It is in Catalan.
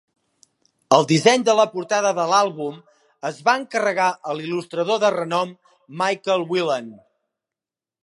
El disseny de la portada de l'àlbum es va encarregar a l'il·lustrador de renom Michael Whelan.